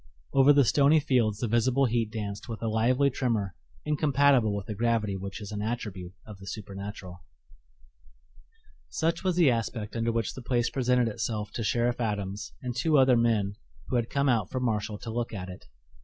Over the stony fields the visible heat danced with a lively tremor incompatible with the gravity which is an attribute of the supernatural. Such was the aspect under which the place presented itself to Sheriff Adams and two other men who had come out from Marshall to look at it.